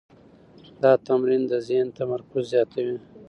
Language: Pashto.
دا تمرین د ذهن تمرکز زیاتوي.